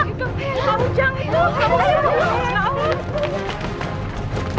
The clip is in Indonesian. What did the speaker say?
pak hujang itu